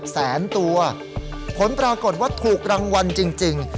แสนตัวผลปรากฏว่าถูกรางวัลจริง